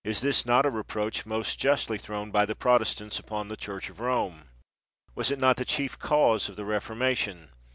Is not this a reproach most justly thrown by the Protestants upon the Church of Rome? Was it not the chief cause of the Reformation?